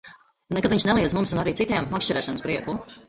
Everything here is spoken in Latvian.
Nekad viņš neliedza mums un arī citiem makšķerēšanas prieku.